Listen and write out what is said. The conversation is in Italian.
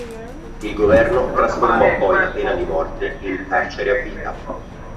Il governo trasformò poi la pena di morte in carcere a vita.